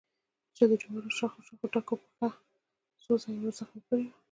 چې د جوارو شخو شخو ډکو پښه څو ځایه ور زخمي کړې وه.